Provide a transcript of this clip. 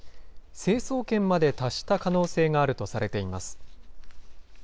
成層圏まで達した可能性があるとされています。